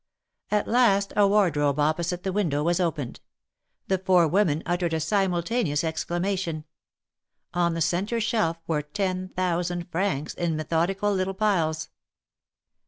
At last a wardrobe opposite the window was opened. The four women uttered a simultaneous exclamation. On the centre shelf were ten thousand francs, in method ical little piles.